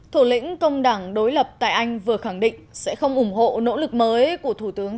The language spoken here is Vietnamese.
thủ lĩnh công đảng đối lập tại anh vừa khẳng định sẽ không ủng hộ nỗ lực mới của thủ tướng